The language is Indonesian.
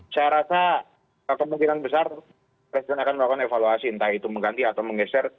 saya rasa kemungkinan besar presiden akan melakukan evaluasi entah itu mengganti atau menggeser